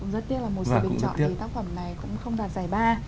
rất tiếc là một sự bình chọn thì tác phẩm này cũng không đoạt giải ba